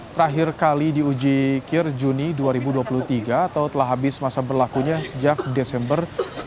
terakhir kali diuji kir juni dua ribu dua puluh tiga atau telah habis masa berlakunya sejak desember dua ribu dua puluh